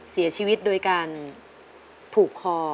เสียชีวิตโดยการผูกคอ